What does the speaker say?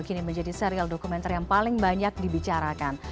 kini menjadi serial dokumenter yang paling banyak dibicarakan